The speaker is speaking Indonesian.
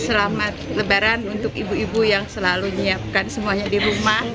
selamat lebaran untuk ibu ibu yang selalu menyiapkan semuanya di rumah